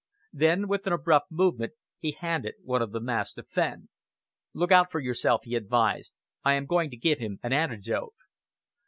Then, with an abrupt movement, he handed one of the masks to Fenn. "Look out for yourself," he advised. "I am going to give him an antidote."